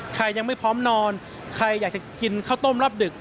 ยังไม่พร้อมนอนใครอยากจะกินข้าวต้มรอบดึก